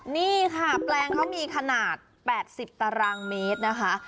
นี่ค่ะแปลงเขามีขนาด๘๐ตารางเมตรนะคะ